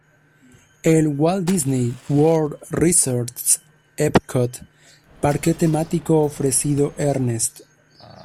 El Walt Disney World Resort s Epcot parque temático ofrecido Ernest.